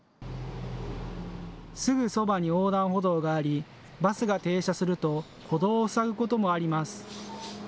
すぐそばに横断歩道がありバスが停車すると歩道を塞ぐこともあります。